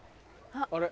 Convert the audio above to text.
あれ？